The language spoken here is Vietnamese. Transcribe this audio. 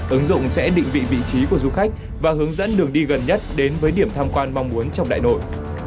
ứng dụng sẽ định vị vị trí của du khách và hướng dẫn đường đi gần nhất đến với điểm tham quan mong muốn trong đại nội